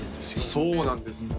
そうなんですね